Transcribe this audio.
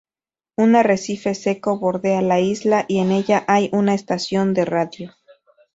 Un arrecife seco bordea la isla, y en ella hay una estación de radio.